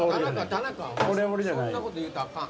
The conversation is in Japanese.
田中そんなこと言うたらあかん。